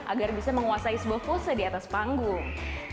agar bisa menguasai sebuah foto di atas panggung